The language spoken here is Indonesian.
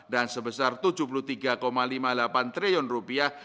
dan sebesar tujuh puluh tiga lima puluh delapan triliun rupiah